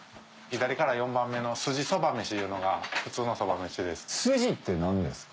左から４番目の「すじそばめし」いうのが普通のそばめしです。